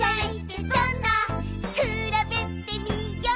「くらべてみよう！」